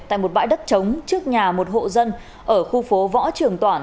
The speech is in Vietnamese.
tại một bãi đất trống trước nhà một hộ dân ở khu phố võ trường toản